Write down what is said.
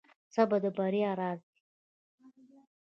• صبر د بریا راز دی.